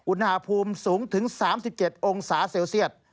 อุณหภูมิสูงถึง๓๗องศาเซลเซียต